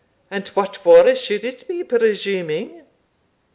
And what for should it be presuming?